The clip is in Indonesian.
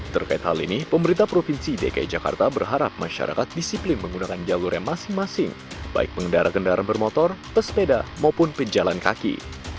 terkait hal ini pemerintah provinsi dki jakarta berharap masyarakat disiplin menggunakan jalur yang masing masing baik pengendara kendaraan bermotor pesepeda maupun penjalan kaki